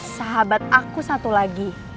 sahabat aku satu lagi